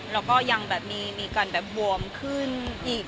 แล้วก็ยังมีการบวมขึ้นอีก